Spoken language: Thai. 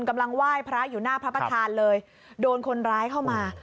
กำลังไหว้พระอยู่หน้าพระประธานเลยโดนคนร้ายเข้ามา